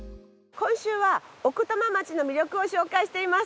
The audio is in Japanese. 今週は奥多摩町の魅力を紹介しています。